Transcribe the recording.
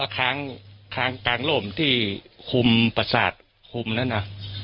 ค่างค่างกลางโล่มที่คุมประสาทคุมนั่นอ่ะ